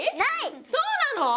そうなの？